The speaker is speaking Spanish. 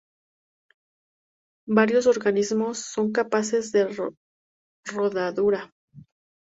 Varios organismos son capaces de rodadura.